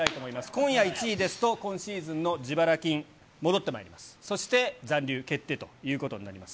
今夜、１位ですと、今シーズンの自腹金、戻ってまいります。